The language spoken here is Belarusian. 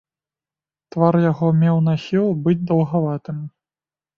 Твар яго меў нахіл быць даўгаватым.